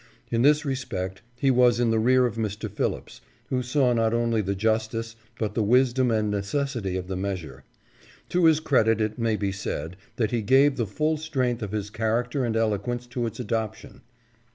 In this respect he was in the rear of Mr. Phillips, who saw not only the justice, but the wisdom and necessity of the measure. To his credit it may be said, that he gave the full strength of his character and eloquence to its adoption.